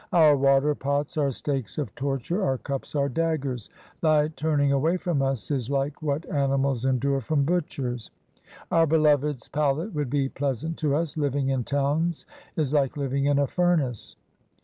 Our water pots are stakes of torture, our cups are daggers ; Thy turning away from us is like what animals endure from butchers. Our Beloved's pallet would be pleasant to us ; living in towns is like living in a furnace.